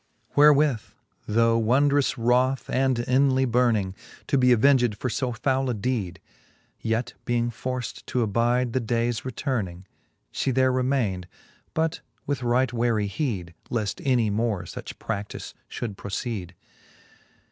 XXXI. wherewith though wondrous wroth, and inly burning, To be avenged for (o fowle a deede. Yet being forft to abide the daies returning, She there remain'd, but with right wary heede, Leaft any moie fuch praftife Ihould proceede.